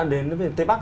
đến với tây bắc